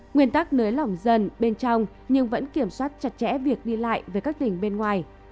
nguyên tắc nới lỏng dần bên trong nhưng vẫn kiểm soát chặt chẽ việc đi lại với các tỉnh bên ngoài